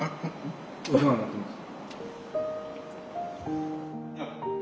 お世話になってます。